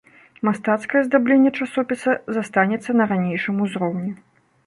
Мастацкае аздабленне часопіса застанецца на ранейшым узроўні.